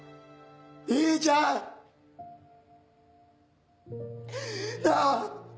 兄ちゃん！なぁ！